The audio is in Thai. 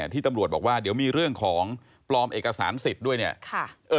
ที่ตำรวจบอกว่าเดี๋ยวมีเรื่องของปลอมเอกสารสิทธิ์ด้วยเนี่ย